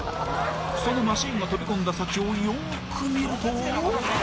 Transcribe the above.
そのマシンが飛び込んだ先をよく見ると。